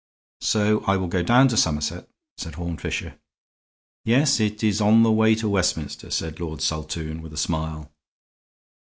"So I will go down to Somerset," said Horne Fisher. "Yes, it is on the way to Westminster," said Lord Saltoun, with a smile.